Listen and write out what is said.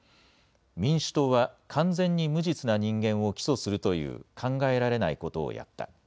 民主党は完全に無実な人間を起訴するという、考えられないことをやった。